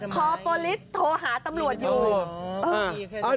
คอโปรลิสโทรหาตำรวจอยู่